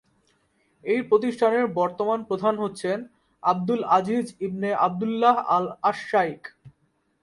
এই প্রতিষ্ঠানের বর্তমান প্রধান হচ্ছেন আব্দুল আজিজ ইবনে আব্দুল্লাহ আল আশ-শাইখ।